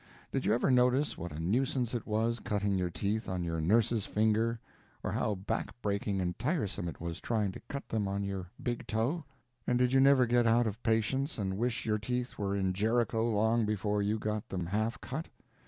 Did you ever notice what a nuisance it was cutting your teeth on your nurse's finger, or how back breaking and tiresome it was trying to cut them on your big toe? And did you never get out of patience and wish your teeth were in Jerico long before you got them half cut?